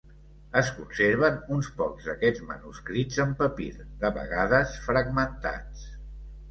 Es conserven uns pocs d'aquests manuscrits en papir, de vegades fragmentats.